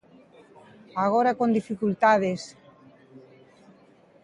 Agora con dificultades.